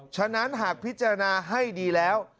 ฉะนั้นหากพิจารณาให้ดีแล้ว